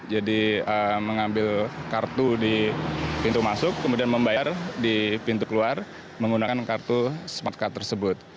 jadi mengambil kartu di pintu masuk kemudian membayar di pintu keluar menggunakan kartu smartcard tersebut